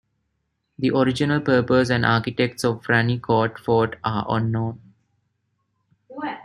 The original purpose and architects of Ranikot Fort are unknown.